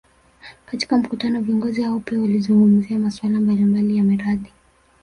Katika mkutano viongozi hao pia walizungumzia masuala mbalimbali ya miradi